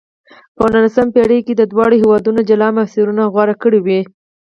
په نولسمه پېړۍ کې دواړو هېوادونو جلا مسیرونه غوره کړې وې.